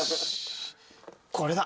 これだ。